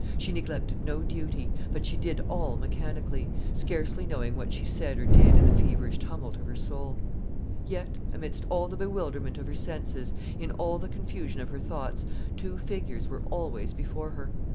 She neglected no duty; but she did all mechanically, scarcely knowing what she said or did in the feverish tumult of her soul. Yet, amidst all the bewilderment of her senses, in all the confusion of her thoughts, two figures were always before her.